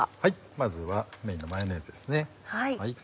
まずはメインのマヨネーズです。